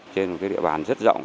trên địa bàn rất rộng